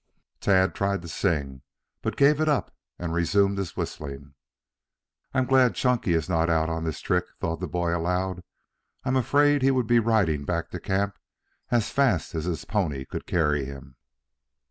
Tad tried to sing, but gave it up and resumed his whistling. "I'm glad Chunky is not out on this trick," thought the boy aloud. "I am afraid he would be riding back to camp as fast as his pony could carry him."